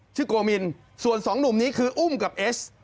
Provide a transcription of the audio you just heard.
โกมินส่วนสองหนุ่มนี้คืออุ้มกับเอส